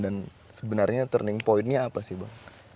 dan sebenarnya turning point nya apa sih bang